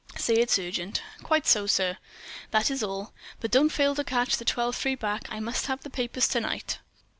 Say it's urgent." "Quite so, sir." "That is all. But don't fail to catch the twelve three back. I must have the papers to night."